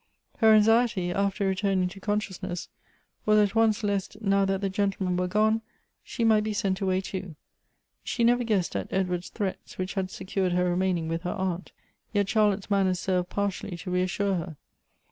Her anxiety, after returning to consciousness, was at once lest, now that the gentlemen were gone, she might be sent away too. She never guessed at Edward's threats, which had secured her remaining with her aunt. Yet Charlotte's manner served partially to reassure her.